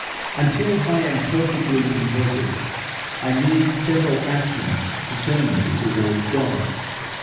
Until I am perfectly converted, I need several actions to turn me towards God.